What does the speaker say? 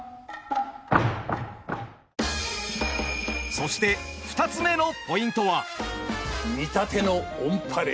そして２つ目のポイントは。